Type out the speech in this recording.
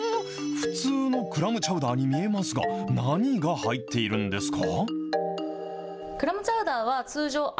普通のクラムチャウダーに見えますが、何が入っているんですか？